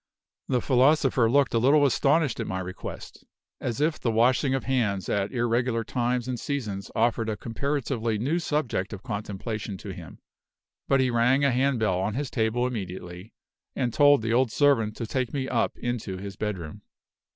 The philosopher looked a little astonished at my request, as if the washing of hands at irregular times and seasons offered a comparatively new subject of contemplation to him; but he rang a hand bell on his table immediately, and told the old servant to take me up into his bedroom.